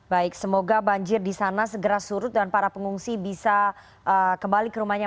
baik semoga banjir di sana segera surut dan para pengungsi bisa kembali ke rumahnya